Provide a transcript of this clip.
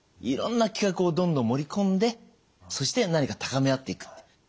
いろんな企画をどんどん盛り込んでそして何か高め合っていくと。